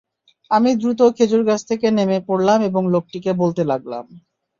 আমি দ্রুত খেজুর গাছ থেকে নেমে পড়লাম এবং লোকটিকে বলতে লাগলাম।